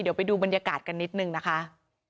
เดี๋ยวไปดูบรรยากาศกันนิดนึงนะคะ